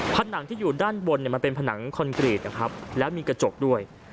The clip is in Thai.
ผนังที่อยู่ด้านบนมันเป็นผนังคอนกรีตนะครับแล้วมีกระจกด้วย